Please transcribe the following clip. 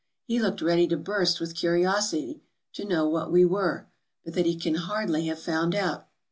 He looked ready to burst with curiosity to know what we were, but that he can hardly have found out.